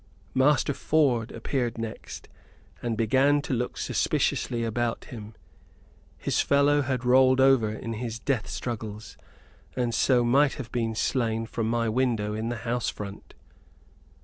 "Master Ford appeared next, and began to look suspiciously about him. His fellow had rolled over in his death struggles, and so might have been slain from my window in the house front.